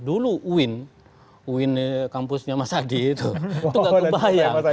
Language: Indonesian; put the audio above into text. dulu uin kampusnya mas hadi itu itu gak kebayang